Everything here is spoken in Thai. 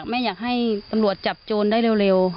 แม่อยากให้ตำรวจจับโจรได้เร็ว